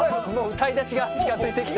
歌いだしが近付いてきた。